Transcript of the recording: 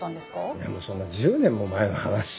いやもうそんな１０年も前の話を。